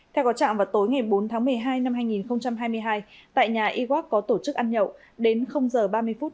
theo có trạng vào tối ngày bốn tháng một mươi hai năm hai nghìn hai mươi hai tại nhà iwak có tổ chức ăn nhậu đến giờ ba mươi phút